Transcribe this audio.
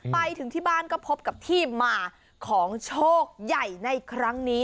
ไปถึงที่บ้านก็พบกับที่มาของโชคใหญ่ในครั้งนี้